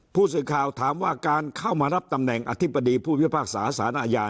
ผู้สื่อข่าวถามว่าการเข้ามารับตำแหน่งอธิบดีผู้พิพากษาสารอาญา